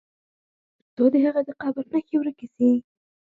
تر څو د هغه د قبر نښي ورکي سي.